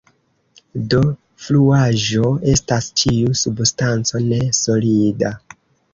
Do fluaĵo estas ĉiu substanco ne-solida.